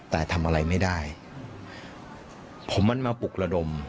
แต่ทำอะไรไม่ได้ผมมันมาปลุกระดม